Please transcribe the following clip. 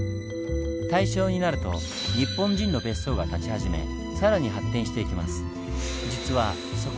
大正になると日本人の別荘が建ち始め更に発展していきます。